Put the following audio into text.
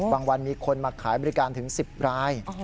วันมีคนมาขายบริการถึง๑๐ราย